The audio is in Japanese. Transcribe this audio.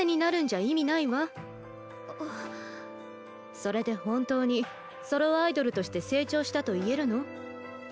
それで本当にソロアイドルとして成長したと言えるの？